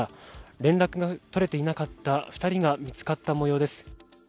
連絡が取れていなかった２人が見つかったもようです。